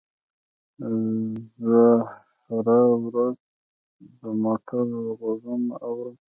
زه هره ورځ د موټر غږونه اورم.